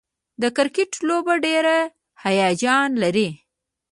د کرکټ لوبه ډېره هیجان لري.